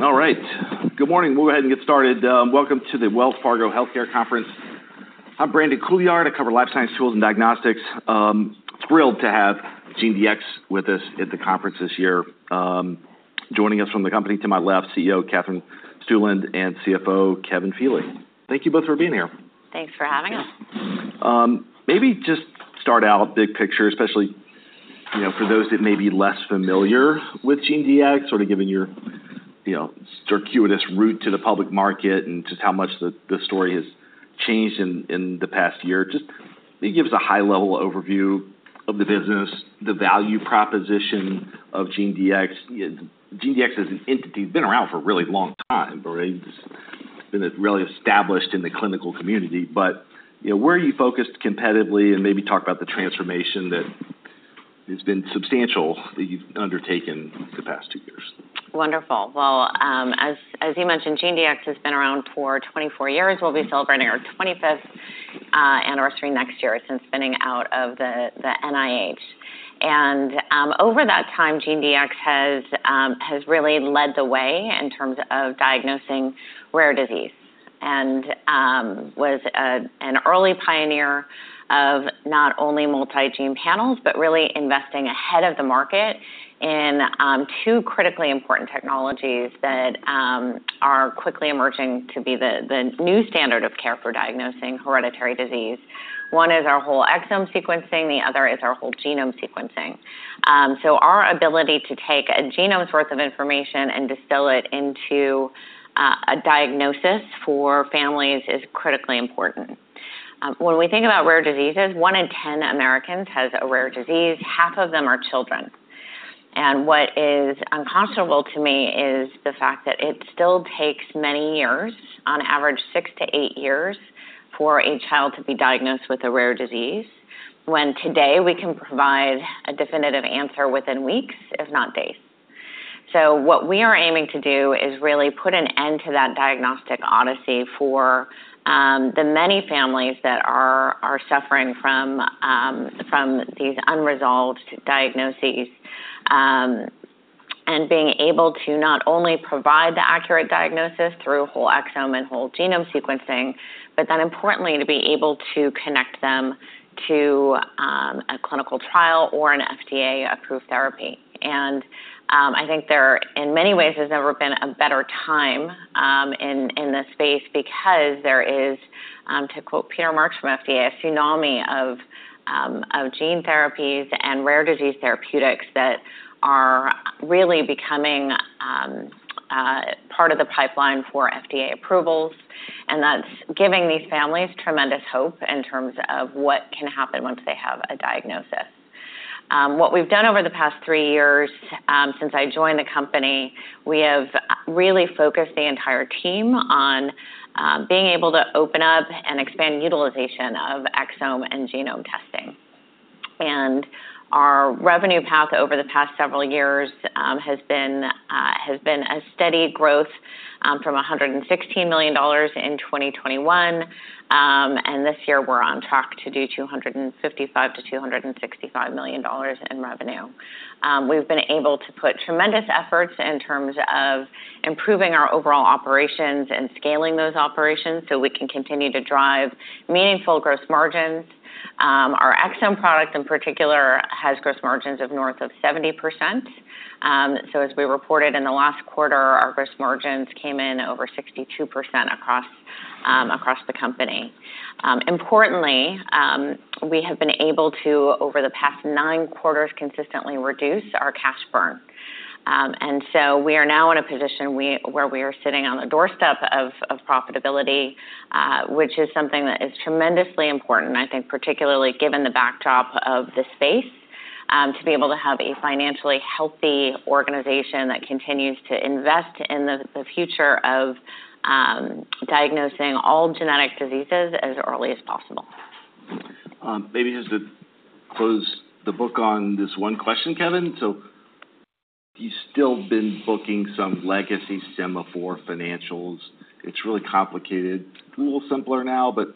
All right, good morning. We'll go ahead and get started. Welcome to the Wells Fargo Healthcare Conference. I'm Brandon Couillard. I cover life science tools and diagnostics. Thrilled to have GeneDx with us at the conference this year. Joining us from the company to my left, CEO, Katherine Stueland, and CFO, Kevin Feeley. Thank you both for being here. Thanks for having us. Yeah. Maybe just start out big picture, especially, you know, for those that may be less familiar with GeneDx, sort of given your, you know, circuitous route to the public market and just how much the story has changed in the past year. Just, maybe give us a high-level overview of the business, the value proposition of GeneDx. GeneDx, as an entity, has been around for a really long time, right? Just been really established in the clinical community. But, you know, where are you focused competitively? And maybe talk about the transformation that has been substantial, that you've undertaken the past two years. Wonderful. Well, as you mentioned, GeneDx has been around for 24 years. We'll be celebrating our 25th anniversary next year since spinning out of the NIH. Over that time, GeneDx has really led the way in terms of diagnosing rare disease, and was an early pioneer of not only multigene panels, but really investing ahead of the market in two critically important technologies that are quickly emerging to be the new standard of care for diagnosing hereditary disease. One is our whole exome sequencing, the other is our whole genome sequencing. So our ability to take a genome's worth of information and distill it into a diagnosis for families is critically important. When we think about rare diseases, one in 10 Americans has a rare disease, half of them are children. And what is unconscionable to me is the fact that it still takes many years, on average, six to eight years, for a child to be diagnosed with a rare disease, when today, we can provide a definitive answer within weeks, if not days. So what we are aiming to do is really put an end to that diagnostic odyssey for the many families that are suffering from these unresolved diagnoses. And being able to not only provide the accurate diagnosis through whole exome and whole genome sequencing, but then importantly, to be able to connect them to a clinical trial or an FDA-approved therapy. I think there are, in many ways, there's never been a better time, in this space because there is, to quote Peter Marks from FDA, "A tsunami of gene therapies and rare disease therapeutics that are really becoming, part of the pipeline for FDA approvals." That's giving these families tremendous hope in terms of what can happen once they have a diagnosis. What we've done over the past three years, since I joined the company, we have really focused the entire team on being able to open up and expand utilization of exome and genome testing. Our revenue path over the past several years has been a steady growth from $116 million in 2021. This year, we're on track to do $255 million-$265 million in revenue. We've been able to put tremendous efforts in terms of improving our overall operations and scaling those operations, so we can continue to drive meaningful gross margins. Our exome product, in particular, has gross margins of north of 70%. So as we reported in the last quarter, our gross margins came in over 62% across the company. Importantly, we have been able to, over the past nine quarters, consistently reduce our cash burn. And so we are now in a position where we are sitting on the doorstep of profitability, which is something that is tremendously important, I think, particularly given the backdrop of the space, to be able to have a financially healthy organization that continues to invest in the future of diagnosing all genetic diseases as early as possible. Maybe just to close the book on this one question, Kevin. So you've still been booking some legacy Sema4 financials. It's really complicated, a little simpler now, but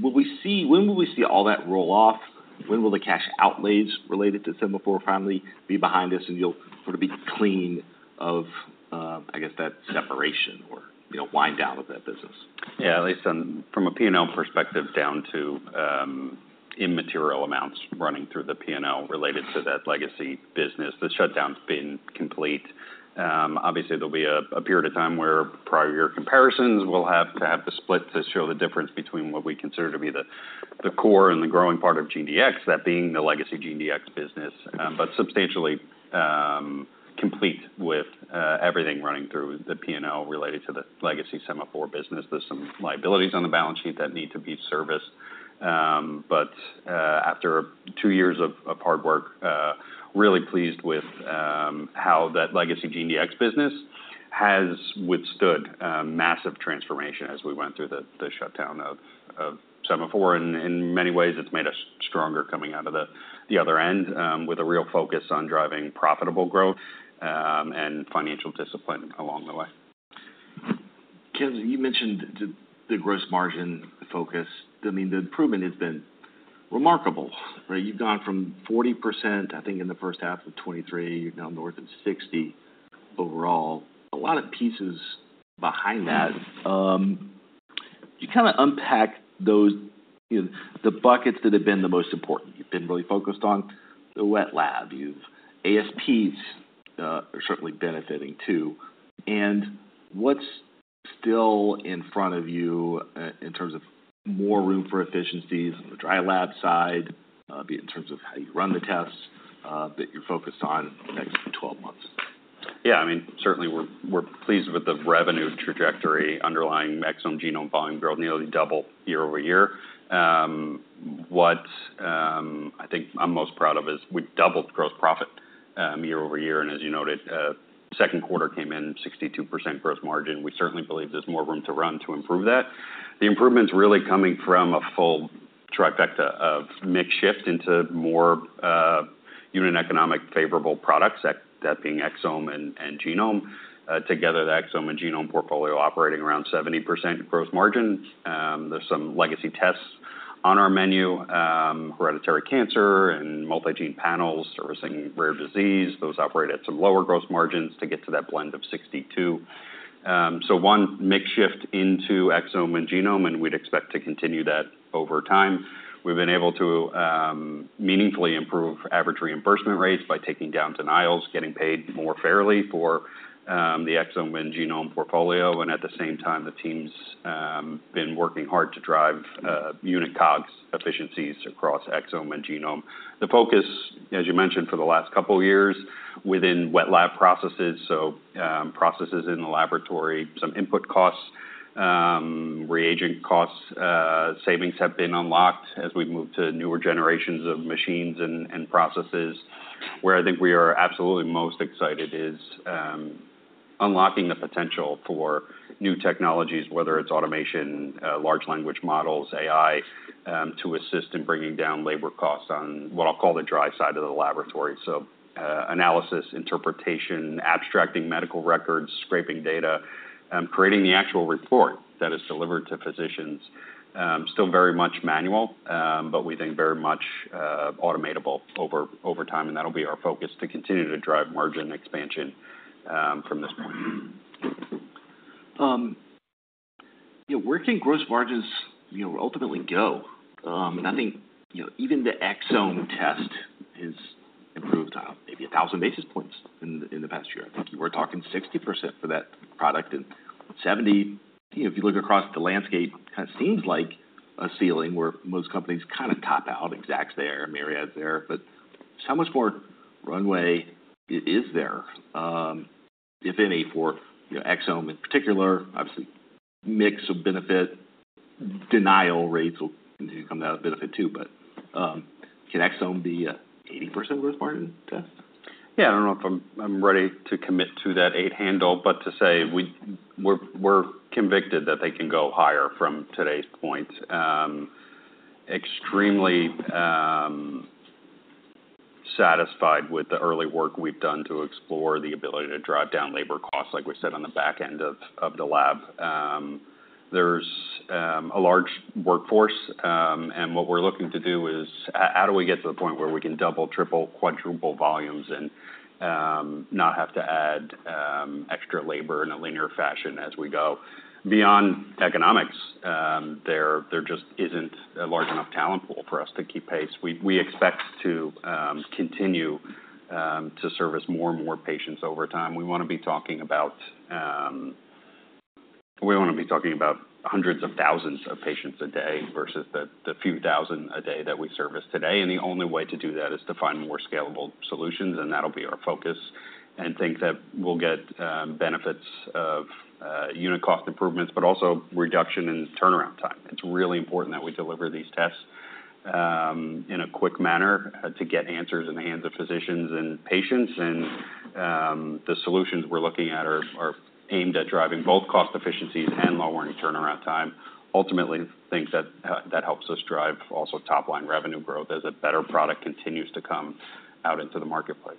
when will we see all that roll off? When will the cash outlays related to Sema4 finally be behind us, and you'll sort of be clean of, I guess, that separation or, you know, wind down of that business? Yeah, at least from a P&L perspective, down to immaterial amounts running through the P&L related to that legacy business. The shutdown's been complete. Obviously, there'll be a period of time where prior year comparisons will have to have the split to show the difference between what we consider to be the core and the growing part of GeneDx, that being the legacy GeneDx business, but substantially complete with everything running through the P&L related to the legacy Sema4 business. There's some liabilities on the balance sheet that need to be serviced, but after two years of hard work, really pleased with how that legacy GeneDx business has withstood massive transformation as we went through the shutdown of Sema4. In many ways, it's made us stronger coming out of the other end with a real focus on driving profitable growth and financial discipline along the way.... Kevin, you mentioned the gross margin focus. I mean, the improvement has been remarkable, right? You've gone from 40%, I think, in the first half of 2023, you're now north of 60% overall. A lot of pieces behind that. You kinda unpack those, you know, the buckets that have been the most important. You've been really focused on the wet lab. ASPs are certainly benefiting too. And what's still in front of you in terms of more room for efficiencies on the dry lab side, be it in terms of how you run the tests that you're focused on the next 12 months? Yeah, I mean, certainly we're pleased with the revenue trajectory underlying exome, genome volume growth, nearly double year-over-year. What I think I'm most proud of is we doubled gross profit year-over-year. And as you noted, second quarter came in 62% gross margin. We certainly believe there's more room to run to improve that. The improvement's really coming from a full trifecta of mix shift into more unit economic favorable products, that being exome and genome. Together, the exome and genome portfolio operating around 70% gross margin. There's some legacy tests on our menu, hereditary cancer and multigene panels, servicing rare disease. Those operate at some lower gross margins to get to that blend of 62. So one, mix shift into exome and genome, and we'd expect to continue that over time. We've been able to meaningfully improve average reimbursement rates by taking down denials, getting paid more fairly for the exome and genome portfolio, and at the same time, the team's been working hard to drive unit COGS efficiencies across exome and genome. The focus, as you mentioned, for the last couple of years, within wet lab processes, so processes in the laboratory, some input costs, reagent costs, savings have been unlocked as we've moved to newer generations of machines and processes. Where I think we are absolutely most excited is unlocking the potential for new technologies, whether it's automation, large language models, AI, to assist in bringing down labor costs on what I'll call the dry side of the laboratory. So, analysis, interpretation, abstracting medical records, scraping data, creating the actual report that is delivered to physicians. Still very much manual, but we think very much automatable over time, and that'll be our focus to continue to drive margin expansion from this point. Yeah, where can gross margins, you know, ultimately go? And I think, you know, even the exome test has improved maybe a thousand basis points in the past year. I think you were talking 60% for that product, and 70%, you know, if you look across the landscape, it kind of seems like a ceiling where most companies kind of top out. Exact Sciences is there, Myriad Genetics is there, but how much more runway is there, if any, for, you know, exome in particular? Obviously, mix of benefit denial rates will continue to come down out a bit too, but can exome be an 80% gross margin test? Yeah, I don't know if I'm ready to commit to that eight handle, but to say we're convicted that they can go higher from today's point. Extremely satisfied with the early work we've done to explore the ability to drive down labor costs, like we said, on the back end of the lab. There's a large workforce, and what we're looking to do is how do we get to the point where we can double, triple, quadruple volumes and not have to add extra labor in a linear fashion as we go? Beyond economics, there just isn't a large enough talent pool for us to keep pace. We expect to continue to service more and more patients over time. We wanna be talking about We wanna be talking about hundreds of thousands of patients a day versus the few thousand a day that we service today, and the only way to do that is to find more scalable solutions, and that'll be our focus and think that we'll get benefits of unit cost improvements, but also reduction in turnaround time. It's really important that we deliver these tests in a quick manner to get answers in the hands of physicians and patients, and the solutions we're looking at are aimed at driving both cost efficiencies and lowering turnaround time. Ultimately, think that that helps us drive also top-line revenue growth as a better product continues to come out into the marketplace.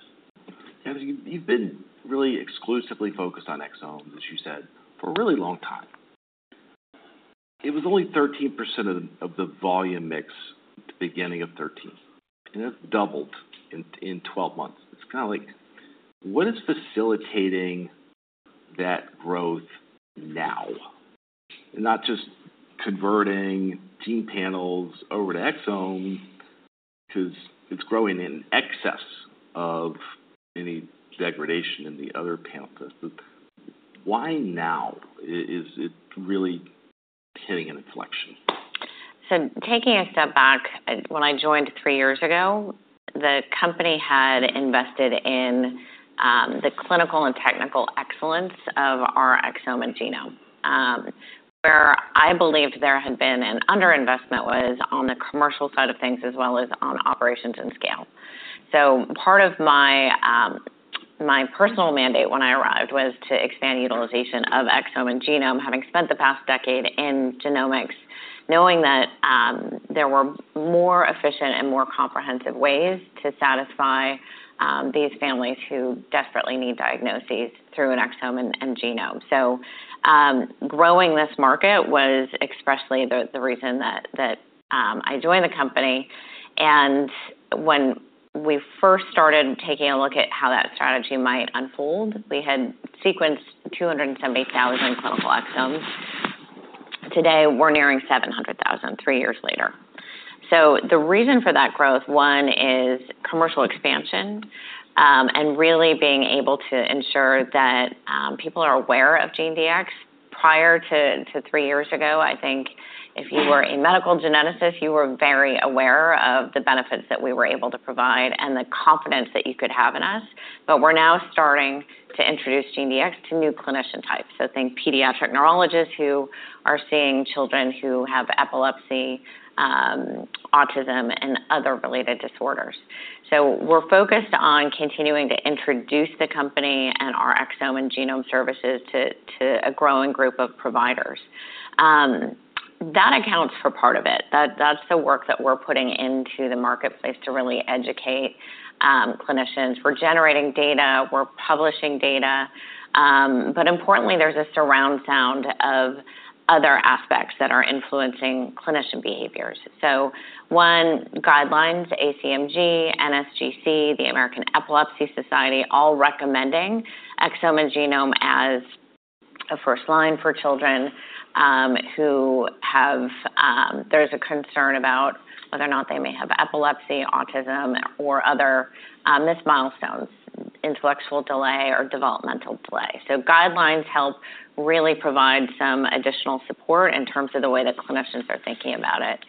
You've been really exclusively focused on exomes, as you said, for a really long time. It was only 13% of the volume mix at the beginning of 2013, and it's doubled in twelve months. It's kinda like, what is facilitating that growth now? Not just converting gene panels over to exome, 'cause it's growing in excess of any degradation in the other panel tests. But why now is it really hitting an inflection? So taking a step back, when I joined three years ago, the company had invested in the clinical and technical excellence of our exome and genome. Where I believed there had been an underinvestment was on the commercial side of things, as well as on operations and scale. So part of my my personal mandate when I arrived, was to expand utilization of exome and genome, having spent the past decade in genomics, knowing that there were more efficient and more comprehensive ways to satisfy these families who desperately need diagnoses through an exome and genome. So growing this market was expressly the reason that I joined the company. And when we first started taking a look at how that strategy might unfold, we had sequenced 270,000 clinical exomes. Today, we're nearing seven hundred thousand, three years later. So the reason for that growth, one, is commercial expansion, and really being able to ensure that people are aware of GeneDx. Prior to three years ago, I think if you were a medical geneticist, you were very aware of the benefits that we were able to provide and the confidence that you could have in us. But we're now starting to introduce GeneDx to new clinician types. So think pediatric neurologists who are seeing children who have epilepsy, autism, and other related disorders. So we're focused on continuing to introduce the company and our exome and genome services to a growing group of providers. That accounts for part of it. That's the work that we're putting into the marketplace to really educate clinicians. We're generating data, we're publishing data, but importantly, there's a surround sound of other aspects that are influencing clinician behaviors. So one, guidelines, ACMG, NSGC, the American Epilepsy Society, all recommending exome and genome as a first line for children who have. There's a concern about whether or not they may have epilepsy, autism, or other missed milestones, intellectual delay or developmental delay. So guidelines help really provide some additional support in terms of the way that clinicians are thinking about it.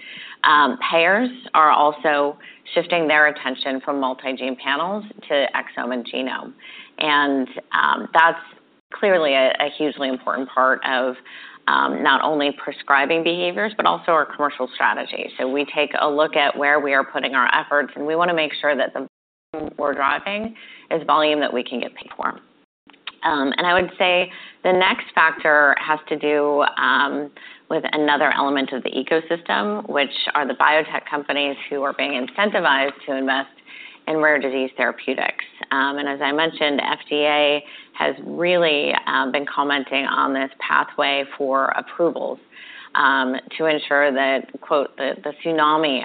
Payers are also shifting their attention from multigene panels to exome and genome. And that's clearly a hugely important part of not only prescribing behaviors, but also our commercial strategy. So we take a look at where we are putting our efforts, and we want to make sure that the volume we're driving is volume that we can get paid for. And I would say the next factor has to do with another element of the ecosystem, which are the biotech companies who are being incentivized to invest in rare disease therapeutics. And as I mentioned, FDA has really been commenting on this pathway for approvals to ensure that, quote, "the tsunami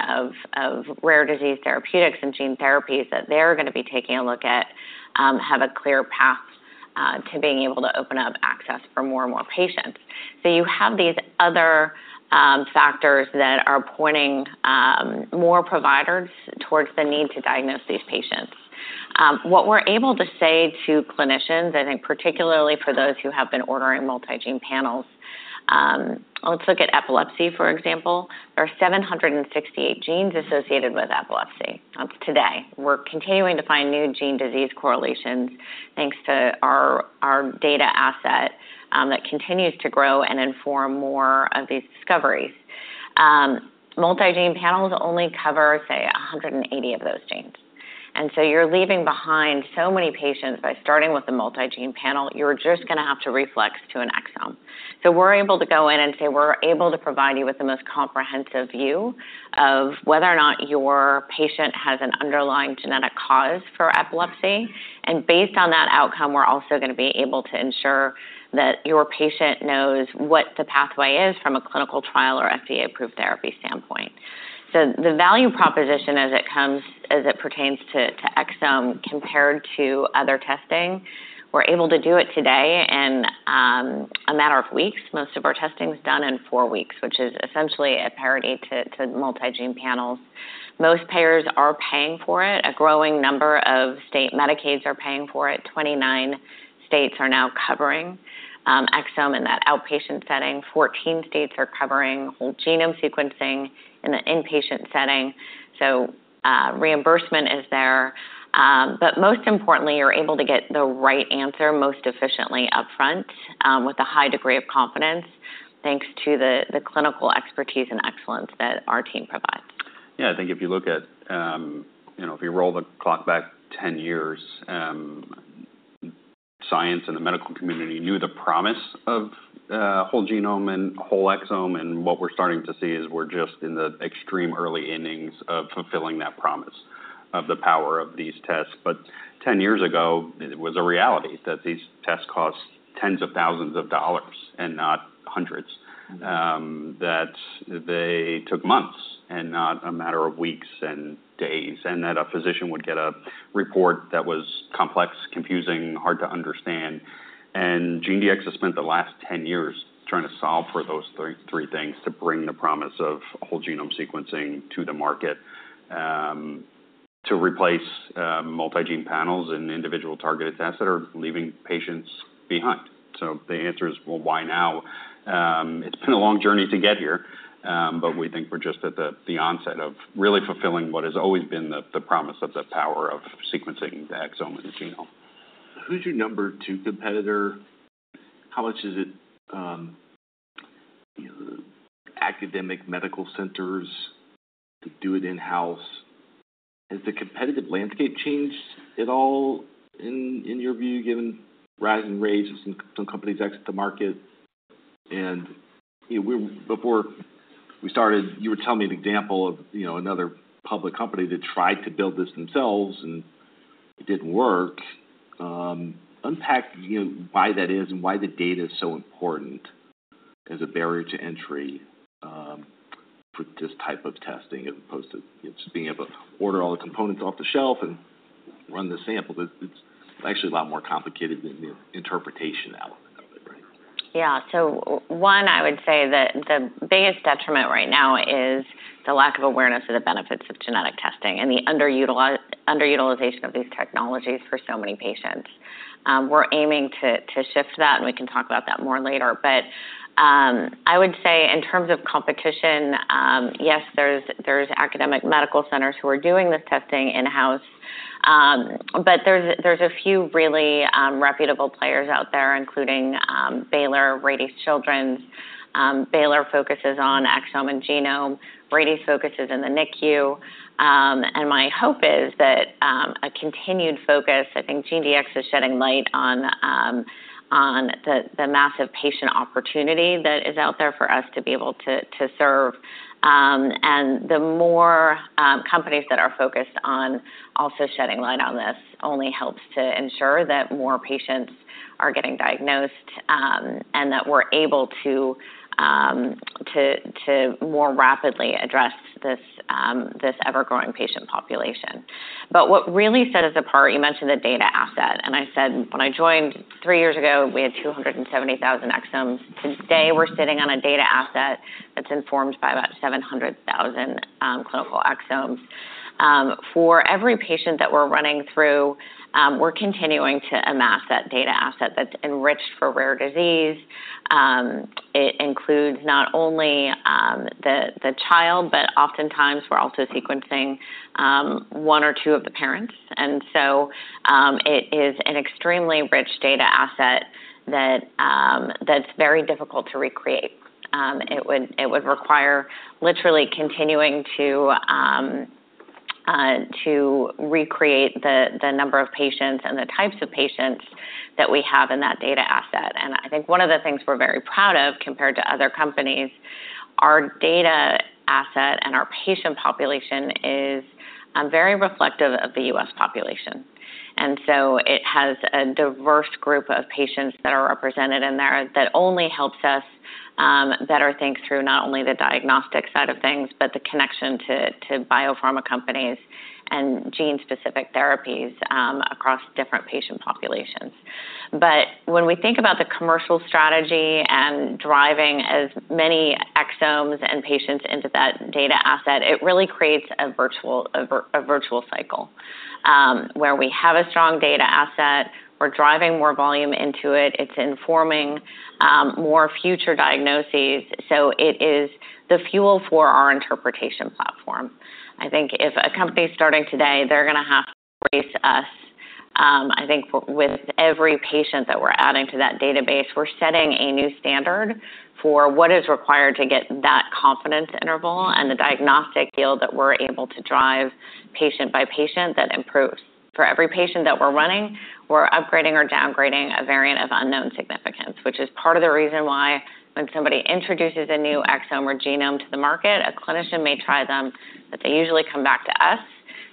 of rare disease therapeutics and gene therapies" that they're going to be taking a look at have a clear path to being able to open up access for more and more patients. So you have these other factors that are pointing more providers towards the need to diagnose these patients. What we're able to say to clinicians, and in particular for those who have been ordering multigene panels, let's look at epilepsy, for example. There are 768 genes associated with epilepsy, today. We're continuing to find new gene-disease correlations, thanks to our data asset, that continues to grow and inform more of these discoveries. Multigene panels only cover, say, 180 of those genes. And so you're leaving behind so many patients by starting with a multigene panel, you're just going to have to reflex to an exome. We're able to go in and say, we're able to provide you with the most comprehensive view of whether or not your patient has an underlying genetic cause for epilepsy, and based on that outcome, we're also going to be able to ensure that your patient knows what the pathway is from a clinical trial or FDA-approved therapy standpoint. The value proposition as it pertains to exome compared to other testing, we're able to do it today in a matter of weeks. Most of our testing is done in 4 weeks, which is essentially a parity to multigene panels. Most payers are paying for it. A growing number of state Medicaids are paying for it. 29 states are now covering exome in that outpatient setting. 14 states are covering whole-genome sequencing in the inpatient setting, so reimbursement is there. But most importantly, you're able to get the right answer most efficiently upfront, with a high degree of confidence, thanks to the clinical expertise and excellence that our team provides. Yeah, I think if you look at, you know, if you roll the clock back 10 years, science and the medical community knew the promise of whole genome and whole exome, and what we're starting to see is we're just in the extreme early innings of fulfilling that promise of the power of these tests. But 10 years ago, it was a reality that these tests cost tens of thousands of dollars and not hundreds, that they took months and not a matter of weeks and days, and that a physician would get a report that was complex, confusing, hard to understand. And GeneDx has spent the last 10 years trying to solve for those three, three things to bring the promise of whole genome sequencing to the market, to replace multigene panels and individual targeted tests that are leaving patients behind. So the answer is, well, why now? It's been a long journey to get here, but we think we're just at the onset of really fulfilling what has always been the promise of the power of sequencing the exome and genome. Who's your number two competitor? How much is it, academic medical centers?... do it in-house. Has the competitive landscape changed at all in your view, given rising rates and some companies exit the market? You know, before we started, you were telling me an example of, you know, another public company that tried to build this themselves, and it didn't work. Unpack, you know, why that is and why the data is so important as a barrier to entry for this type of testing, as opposed to just being able to order all the components off the shelf and run the sample. It's actually a lot more complicated than the interpretation element of it, right? Yeah. So one, I would say that the biggest detriment right now is the lack of awareness of the benefits of genetic testing and the underutilization of these technologies for so many patients. We're aiming to shift that, and we can talk about that more later, but I would say in terms of competition, yes, there's academic medical centers who are doing this testing in-house, but there's a few really reputable players out there, including Baylor, Rady Children's. Baylor focuses on exome and genome. Rady focuses in the NICU, and my hope is that a continued focus, I think GeneDx is shedding light on the massive patient opportunity that is out there for us to be able to serve. And the more companies that are focused on also shedding light on this only helps to ensure that more patients are getting diagnosed, and that we're able to more rapidly address this ever-growing patient population. But what really set us apart, you mentioned the data asset, and I said when I joined three years ago, we had 270,000 exomes. Today, we're sitting on a data asset that's informed by about 700,000 clinical exomes. For every patient that we're running through, we're continuing to amass that data asset that's enriched for rare disease. It includes not only the child, but oftentimes we're also sequencing one or two of the parents. And so, it is an extremely rich data asset that's very difficult to recreate. It would require literally continuing to recreate the number of patients and the types of patients that we have in that data asset. And I think one of the things we're very proud of, compared to other companies, our data asset and our patient population is very reflective of the U.S. population. And so it has a diverse group of patients that are represented in there that only helps us better think through not only the diagnostic side of things, but the connection to biopharma companies and gene-specific therapies across different patient populations. But when we think about the commercial strategy and driving as many exomes and patients into that data asset, it really creates a virtual cycle, where we have a strong data asset, we're driving more volume into it, it's informing more future diagnoses. So it is the fuel for our interpretation platform. I think if a company is starting today, they're gonna have to race us. I think with every patient that we're adding to that database, we're setting a new standard for what is required to get that confidence interval and the diagnostic yield that we're able to drive patient by patient that improves. For every patient that we're running, we're upgrading or downgrading a variant of unknown significance, which is part of the reason why when somebody introduces a new exome or genome to the market, a clinician may try them, but they usually come back to us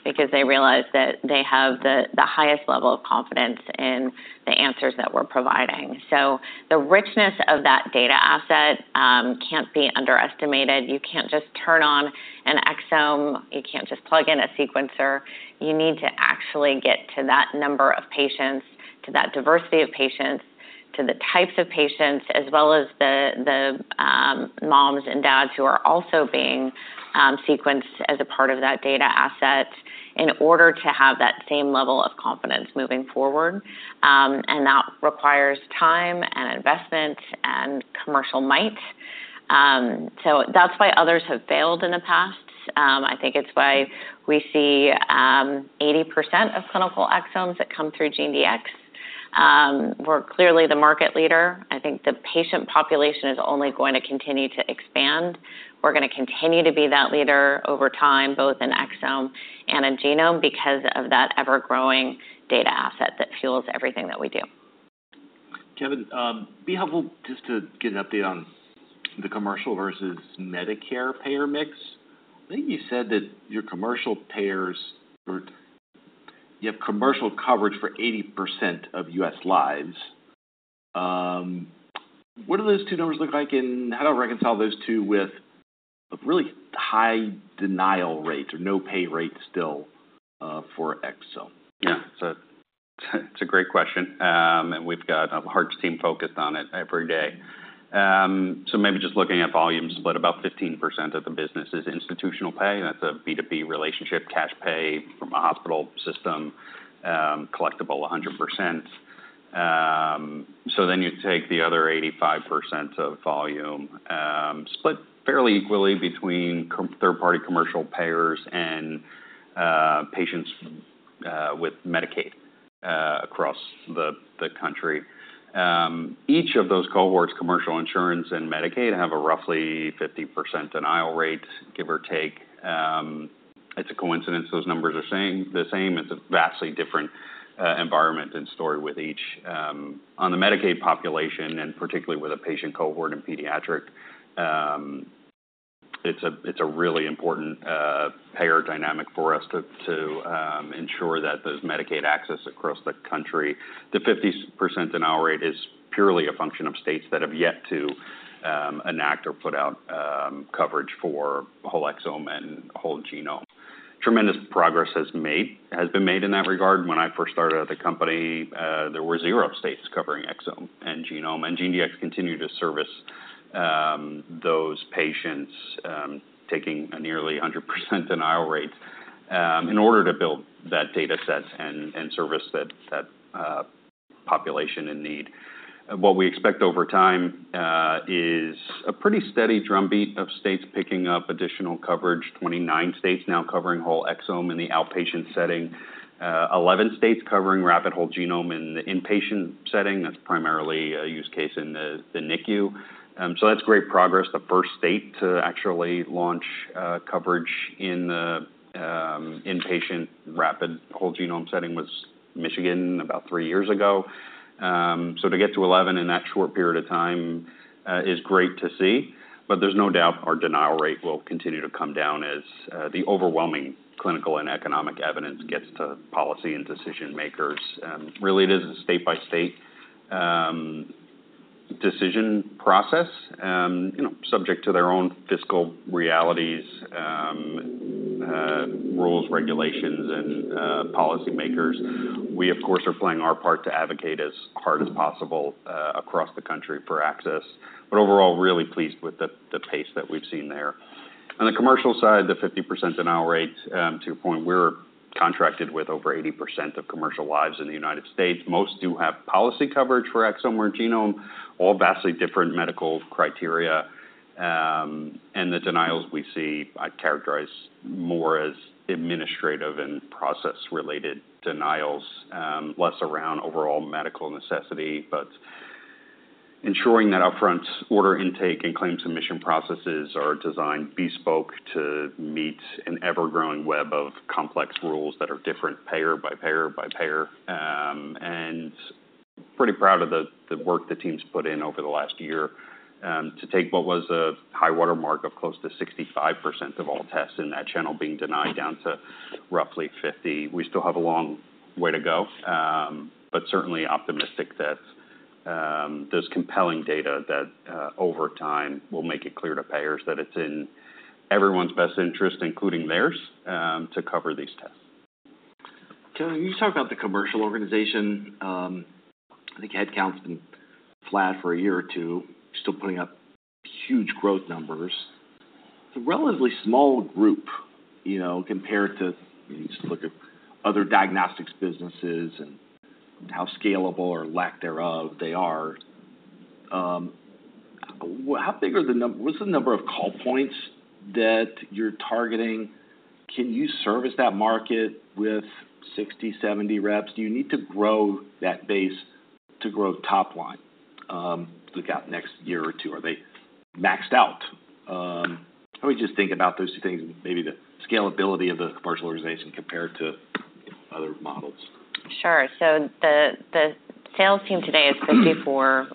because they realize that they have the highest level of confidence in the answers that we're providing. So the richness of that data asset can't be underestimated. You can't just turn on an exome. You can't just plug in a sequencer. You need to actually get to that number of patients, to that diversity of patients, to the types of patients, as well as the moms and dads who are also being sequenced as a part of that data asset in order to have that same level of confidence moving forward. And that requires time and investment and commercial might. So that's why others have failed in the past. I think it's why we see 80% of clinical exomes that come through GeneDx. We're clearly the market leader. I think the patient population is only going to continue to expand. We're gonna continue to be that leader over time, both in exome and in genome, because of that ever-growing data asset that fuels everything that we do. Kevin, be helpful just to get an update on the commercial versus Medicare payer mix. I think you said that your commercial payers were... You have commercial coverage for 80% of U.S. lives. What do those two numbers look like, and how do I reconcile those two with a really high denial rates or no pay rates still, for exome? Yeah, so it's a great question, and we've got a hard team focused on it every day. So maybe just looking at volumes, but about 15% of the business is institutional pay, that's a B2B relationship, cash pay from a hospital system, collectible 100%. So then you take the other 85% of volume, split fairly equally between third-party commercial payers and patients with Medicaid across the country. Each of those cohorts, commercial insurance and Medicaid, have a roughly 50% denial rate, give or take. It's a coincidence those numbers are the same, it's a vastly different environment and story with each. On the Medicaid population, and particularly with a patient cohort in pediatric, it's a really important payer dynamic for us to ensure that there's Medicaid access across the country. The 50% denial rate is purely a function of states that have yet to enact or put out coverage for whole exome and whole genome. Tremendous progress has been made in that regard. When I first started at the company, there were zero states covering exome and genome, and GeneDx continued to service those patients, taking a nearly 100% denial rate, in order to build that data set and service that population in need. What we expect over time is a pretty steady drumbeat of states picking up additional coverage. 29 states now covering whole exome in the outpatient setting. 11 states covering rapid whole genome in the inpatient setting. That's primarily a use case in the NICU. So that's great progress. The first state to actually launch coverage in the inpatient rapid whole genome setting was Michigan, about three years ago. So to get to 11 in that short period of time is great to see, but there's no doubt our denial rate will continue to come down as the overwhelming clinical and economic evidence gets to policy and decision makers. Really, it is a state-by-state decision process, you know, subject to their own fiscal realities, rules, regulations, and policymakers. We, of course, are playing our part to advocate as hard as possible, across the country for access, but overall, really pleased with the pace that we've seen there. On the commercial side, the 50% denial rate, to your point, we're contracted with over 80% of commercial lives in the United States. Most do have policy coverage for exome and genome, all vastly different medical criteria, and the denials we see, I'd characterize more as administrative and process-related denials, less around overall medical necessity. But ensuring that upfront order intake and claims submission processes are designed bespoke to meet an ever-growing web of complex rules that are different payer by payer by payer, and pretty proud of the work the team's put in over the last year to take what was a high-water mark of close to 65% of all tests in that channel being denied, down to roughly 50%. We still have a long way to go, but certainly optimistic that there's compelling data that over time will make it clear to payers that it's in everyone's best interest, including theirs, to cover these tests. Kevin, you talk about the commercial organization. I think headcount's been flat for a year or two, still putting up huge growth numbers. It's a relatively small group, you know, compared to, you just look at other diagnostics businesses and how scalable or lack thereof they are. What's the number of call points that you're targeting? Can you service that market with 60, 70 reps? Do you need to grow that base to grow top line, look out next year or two? Are they maxed out? Let me just think about those two things, and maybe the scalability of the commercial organization compared to other models. Sure. So the sales team today is 54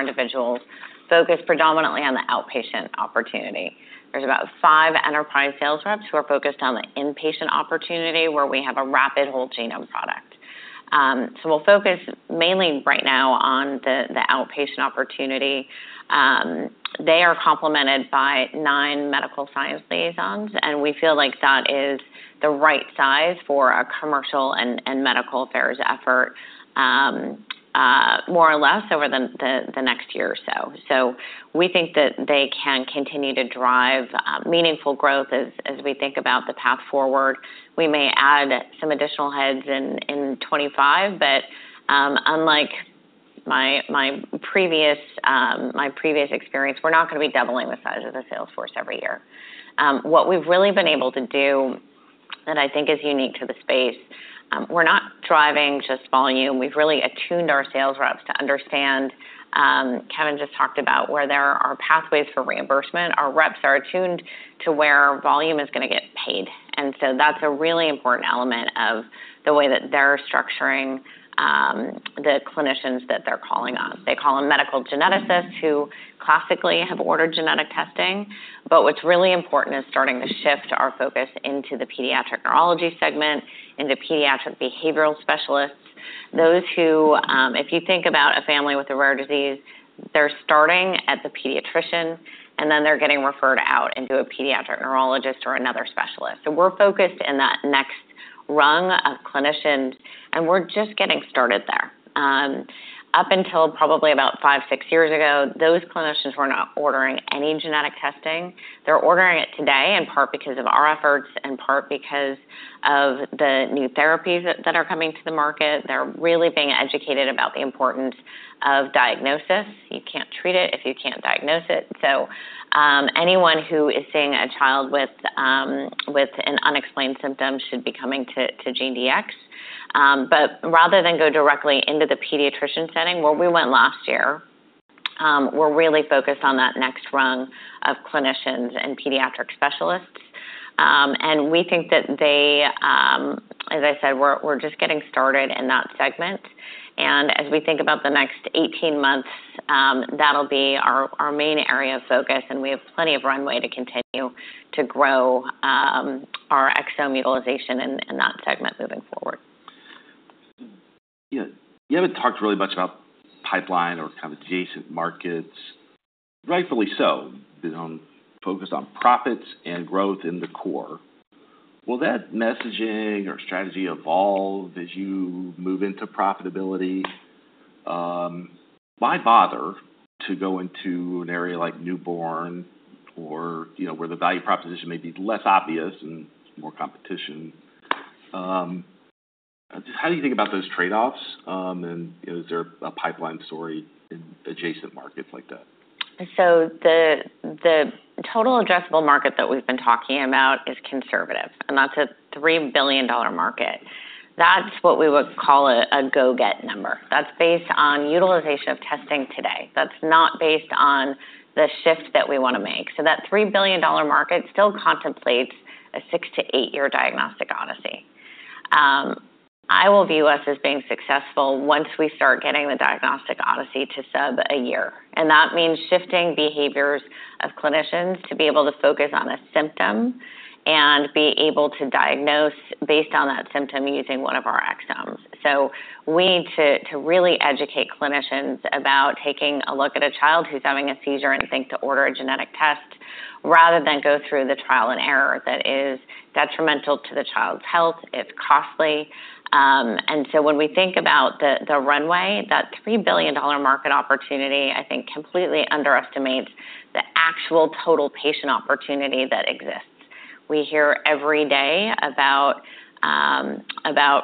individuals, focused predominantly on the outpatient opportunity. There's about five enterprise sales reps who are focused on the inpatient opportunity, where we have a rapid whole genome product. So we'll focus mainly right now on the outpatient opportunity. They are complemented by nine medical science liaisons, and we feel like that is the right size for a commercial and medical affairs effort, more or less, over the next year or so. So we think that they can continue to drive meaningful growth as we think about the path forward. We may add some additional heads in 2025, but, unlike my previous experience, we're not gonna be doubling the size of the sales force every year. What we've really been able to do that I think is unique to the space. We're not driving just volume. We've really attuned our sales reps to understand. Kevin just talked about where there are pathways for reimbursement. Our reps are attuned to where volume is gonna get paid, and so that's a really important element of the way that they're structuring the clinicians that they're calling on. They call on medical geneticists, who classically have ordered genetic testing, but what's really important is starting to shift our focus into the pediatric neurology segment, into pediatric behavioral specialists. Those who, if you think about a family with a rare disease, they're starting at the pediatrician, and then they're getting referred out into a pediatric neurologist or another specialist. So we're focused in that next rung of clinicians, and we're just getting started there. Up until probably about five, six years ago, those clinicians were not ordering any genetic testing. They're ordering it today, in part because of our efforts, in part because of the new therapies that are coming to the market. They're really being educated about the importance of diagnosis. You can't treat it if you can't diagnose it. So, anyone who is seeing a child with an unexplained symptom should be coming to GeneDx. But rather than go directly into the pediatrician setting, where we went last year, we're really focused on that next rung of clinicians and pediatric specialists. And we think that they, as I said, we're just getting started in that segment. As we think about the next eighteen months, that'll be our main area of focus, and we have plenty of runway to continue to grow our exome utilization in that segment moving forward. Yeah. You haven't talked really much about pipeline or kind of adjacent markets, rightfully so, been focused on profits and growth in the core. Will that messaging or strategy evolve as you move into profitability? Why bother to go into an area like newborn or, you know, where the value proposition may be less obvious and more competition? How do you think about those trade-offs, and, you know, is there a pipeline story in adjacent markets like that? So the total addressable market that we've been talking about is conservative, and that's a $3 billion market. That's what we would call a go-get number. That's based on utilization of testing today. That's not based on the shift that we want to make. So that $3 billion market still contemplates a six to eight-year diagnostic odyssey. I will view us as being successful once we start getting the diagnostic odyssey to sub a year, and that means shifting behaviors of clinicians to be able to focus on a symptom and be able to diagnose based on that symptom using one of our exomes. So we need to really educate clinicians about taking a look at a child who's having a seizure and think to order a genetic test rather than go through the trial and error that is detrimental to the child's health. It's costly. And so when we think about the runway, that $3 billion market opportunity, I think, completely underestimates the actual total patient opportunity that exists. We hear every day about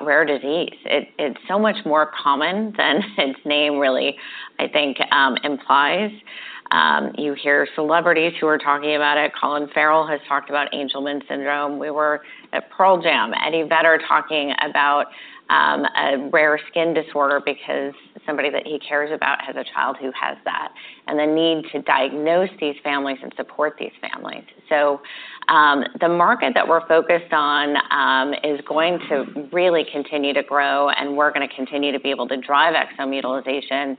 rare disease. It's so much more common than its name really, I think, implies. You hear celebrities who are talking about it. Colin Farrell has talked about Angelman syndrome. We were at Pearl Jam, Eddie Vedder talking about a rare skin disorder because somebody that he cares about has a child who has that, and the need to diagnose these families and support these families. So, the market that we're focused on is going to really continue to grow, and we're going to continue to be able to drive exome utilization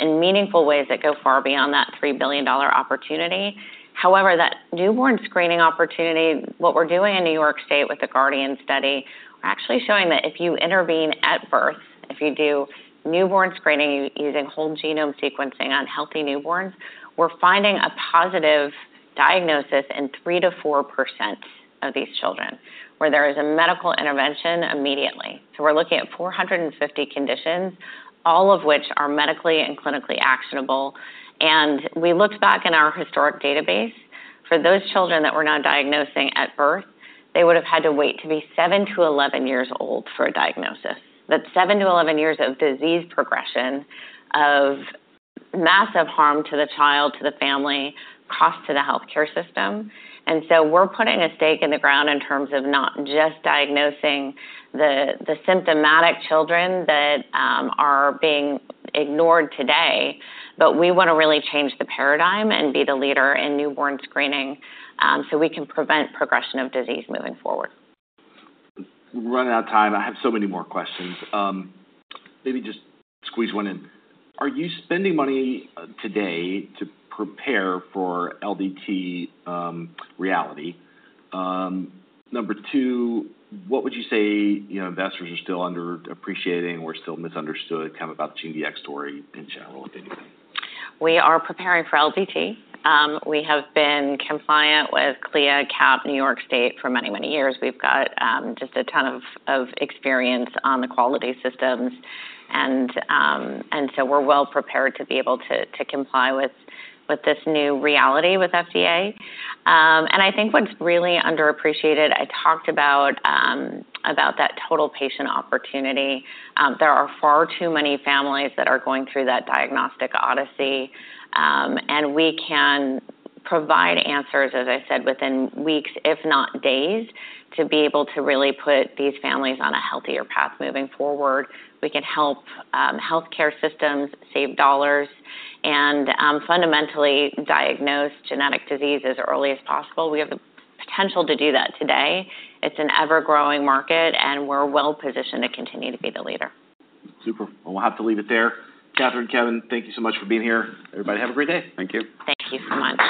in meaningful ways that go far beyond that $3 billion opportunity. However, that newborn screening opportunity, what we're doing in New York State with the GUARDIAN study, we're actually showing that if you intervene at birth, if you do newborn screening using whole genome sequencing on healthy newborns, we're finding a positive diagnosis in 3%-4% of these children, where there is a medical intervention immediately. So we're looking at 450 conditions, all of which are medically and clinically actionable. And we looked back in our historic database. For those children that we're now diagnosing at birth, they would have had to wait to be 7-11 years old for a diagnosis. That's seven to 11 years of disease progression, of massive harm to the child, to the family, cost to the healthcare system. And so we're putting a stake in the ground in terms of not just diagnosing the symptomatic children that are being ignored today, but we want to really change the paradigm and be the leader in newborn screening, so we can prevent progression of disease moving forward. We're running out of time. I have so many more questions. Maybe just squeeze one in. Are you spending money today to prepare for LDT reality? Number two, what would you say, you know, investors are still underappreciating or still misunderstood kind of about the GDX story in general, if anything? We are preparing for LDT. We have been compliant with CLIA, CAP, New York State for many, many years. We've got just a ton of experience on the quality systems, and so we're well-prepared to be able to comply with this new reality with FDA. I think what's really underappreciated. I talked about that total patient opportunity. There are far too many families that are going through that diagnostic odyssey, and we can provide answers, as I said, within weeks, if not days, to be able to really put these families on a healthier path moving forward. We can help healthcare systems save dollars and fundamentally diagnose genetic diseases as early as possible. We have the potential to do that today. It's an ever-growing market, and we're well positioned to continue to be the leader. Super. We'll have to leave it there. Katherine, Kevin, thank you so much for being here. Everybody, have a great day. Thank you. Thank you so much.